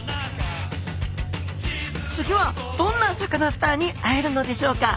次はどんなサカナスターに会えるのでしょうか？